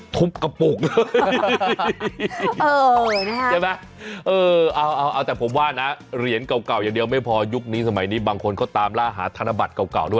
กระปุกเลยใช่ไหมเออเอาแต่ผมว่านะเหรียญเก่าอย่างเดียวไม่พอยุคนี้สมัยนี้บางคนเขาตามล่าหาธนบัตรเก่าด้วย